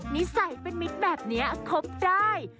นิสัยเป็นมิตรแบบนี้ครบได้